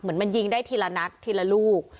เหมือนมันยิงได้ทีละนักทีละลูก